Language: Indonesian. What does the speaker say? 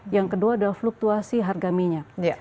yang kedua adalah fluktuasi harga minyak